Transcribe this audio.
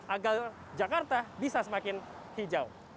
agar jakarta bisa semakin hijau